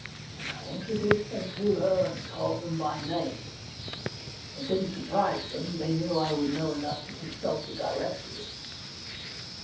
And I introduced them to her, and called them by name. It didn't surprise them ; they knew I would know enough to consult the directory.